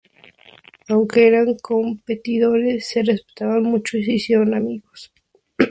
Aunque eran competidores, se respetaban mucho y se hicieron amigos.